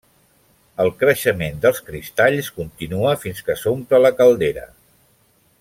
El creixement dels cristalls continua fins que s'omple la caldera.